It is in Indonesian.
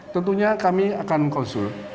tentunya kami akan konsul